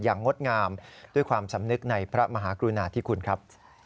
งดงามด้วยความสำนึกในพระมหากรุณาธิคุณครับ